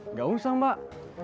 nggak usah mbak